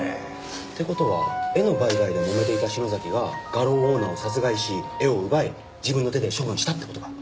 って事は絵の売買でもめていた篠崎が画廊オーナーを殺害し絵を奪い自分の手で処分したって事か？